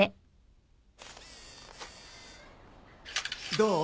どう？